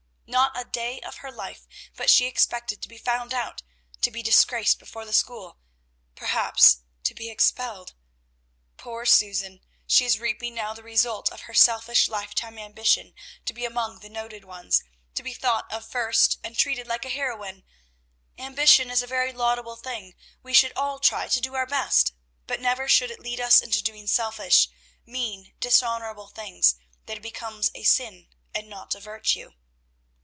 Not a day of her life but she expected to be found out, to be disgraced before the school, perhaps to be expelled. Poor Susan! she is reaping now the result of her selfish lifetime ambition to be among the noted ones, to be thought of first, and treated like a heroine! Ambition is a very laudable thing; we should all try to do our best, but never should it lead us into doing selfish, mean, dishonorable things; then it becomes a sin and not a virtue.